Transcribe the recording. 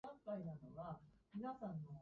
北海道中富良野町